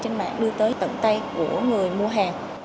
trên mạng đưa tới tận tay của người mua hàng